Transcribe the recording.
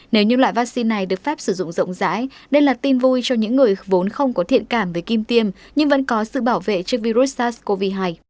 nếu những loại vaccine này được phép sử dụng rộng rãi đây là tin vui cho những người vốn không có thiện cảm với kim tiêm nhưng vẫn có sự bảo vệ trước virus sars cov hai